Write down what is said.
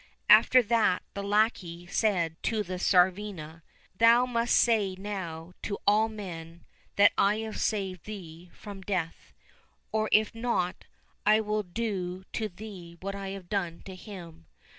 After that the lackey said to the Tsarivna, " Thou must say now to all men that I saved thee from death, or if not, I will do to thee what I have done to him.